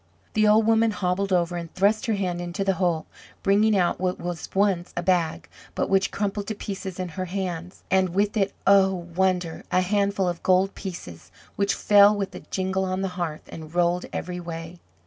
The old woman hobbled over and thrust her hand into the hole, bringing out what was once a bag, but which crumpled to pieces in her hands, and with it oh, wonder! a handful of gold pieces, which fell with a jingle on the hearth, and rolled every way.